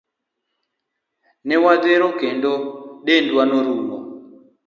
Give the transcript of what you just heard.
Ne wadhero kendo dendwa norumo.